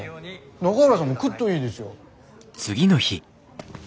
永浦さんも来っといいですよ。